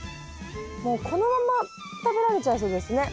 もうこのまま食べられちゃいそうですね